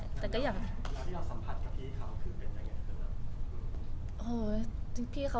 เวลาที่เราสัมผัสกับพี่เขา